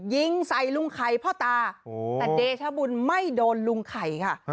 ยิงใส่ลุงไข่พ่อตาแต่เดชบุญไม่โดนลุงไข่ค่ะ